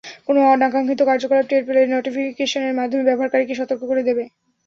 কোনো অনাকাঙ্ক্ষিত কার্যকলাপ টের পেলে নোটিফিকেশনের মাধ্যমে ব্যবহারকারীকে সতর্ক করে দেবে।